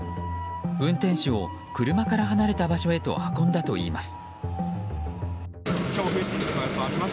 運転手を車から離れた場所へと運んだといいます。